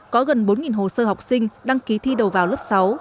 có gần bốn hồ sơ học sinh đăng ký thi đầu vào lớp sáu